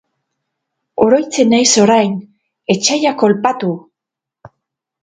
Oroitzen naiz orai, etsaiak kolpatu!